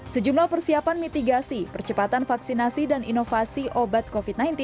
sejumlah persiapan mitigasi percepatan vaksinasi dan inovasi obat covid sembilan belas